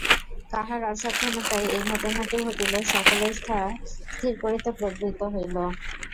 কাহার অসাবধানতায় এই ঘটনাটি ঘটিল, সকলেই তাহা স্থির করিতে প্রবৃত্ত হইল।